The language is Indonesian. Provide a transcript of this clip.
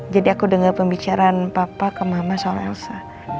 jadi aku denger pembicaraan papa ke mama soal elsa